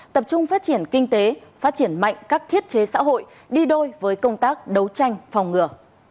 tập trung phát triển kinh tế phát triển mạnh các thiết chế xã hội đi đôi với công tác đấu tranh phòng ngừa